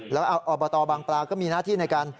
แล้วอบตบางปลาก็มีหน้าที่ในการ